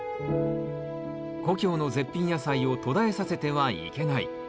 故郷の絶品野菜を途絶えさせてはいけない。